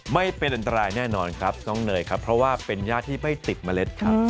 ไม่เป็นอันตรายแน่นอนครับน้องเนยครับเพราะว่าเป็นญาติที่ไม่ติดเมล็ดครับ